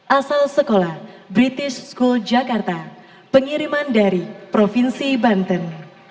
asal sekolah british school jakarta pengiriman dari provinsi banten